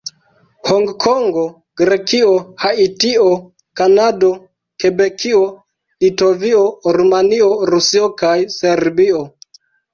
Honkongo, Grekio, Haitio, Kanado, Kebekio, Litovio, Rumanio, Rusio kaj Serbio.